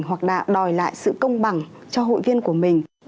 hoặc là đòi lại sự công bằng cho hội viên của mình